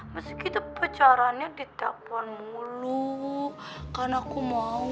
masa kita pacarannya di telepon mulu karena aku mau yang lain